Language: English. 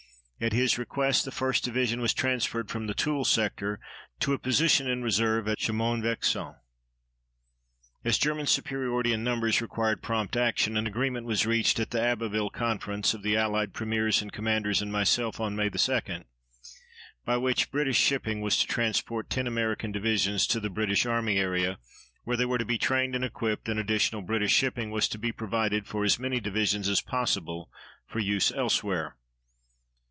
At his request the 1st Division was transferred from the Toul sector to a position in reserve at Chaumont en Vexin. As German superiority in numbers required prompt action, an agreement was reached at the Abbeville conference of the allied Premiers and commanders and myself on May 2 by which British shipping was to transport ten American divisions to the British Army area, where they were to be trained and equipped, and additional British shipping was to be provided for as many divisions as possible for use elsewhere.